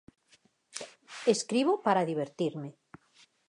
Escribo para divertirme.